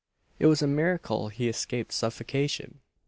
"It was a miracle he escaped suffocation!"